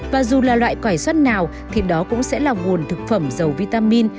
và dù là loại cải xoăn nào thì đó cũng sẽ là nguồn thực phẩm giàu vitamin